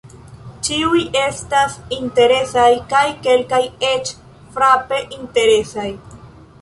Ĉiuj estas interesaj kaj kelkaj eĉ frape interesaj.